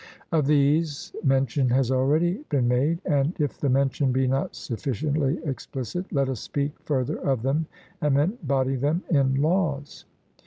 Of these mention has already been made; and if the mention be not sufficiently explicit, let us speak further of them and embody them in laws.